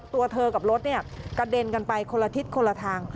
ตัวเธอกับรถกระเด็นกันไปคนละทิศคนละทาง